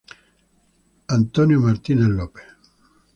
Henry Cabot Lodge Jr.